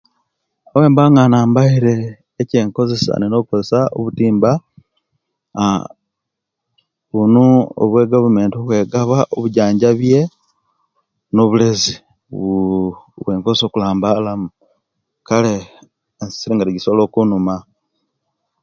Obwemba nga inambaire ekyenkozesia inina okozesia obutimba aah buno obwegavumenti obwegaba obwijanjabye nubulezi bwenkozesa okulambala kaele ensiri tejisobola okunuma